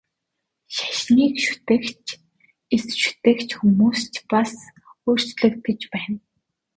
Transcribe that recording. Шашныг шүтэгч, эс шүтэгч хүмүүс ч бас өөрчлөгдөж байна.